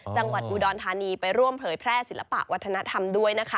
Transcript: จังหวัดอุดรธานีไปร่วมเผยแพร่ศิลปะวัฒนธรรมด้วยนะคะ